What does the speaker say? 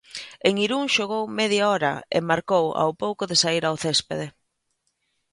En Irún xogou media hora e marcou ao pouco de saír ao céspede.